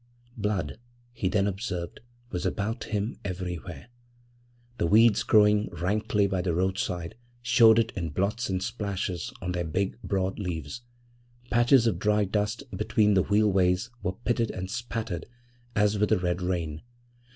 Blood, he then observed, was about him everywhere. The weeds growing rankly by the roadside showed it in blots and splashes on their big, broad leaves. Patches of dry dust between the wheel ways were pitted and spattered as with a red rain.